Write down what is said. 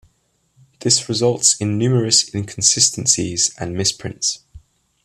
This results in numerous inconsistencies and misprints.